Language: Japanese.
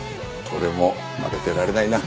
俺も負けてられないな。